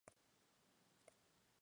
Contratistas Generales.